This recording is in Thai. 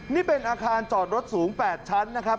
นี่เป็นอาคารจอดรถสูง๘ชั้นนะครับ